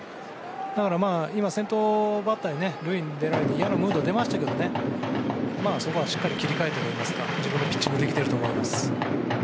だから今、先頭バッターに塁に出られて嫌なムードが出ましたけどそこはしっかり切り替えてというか自分のピッチングできてると思います。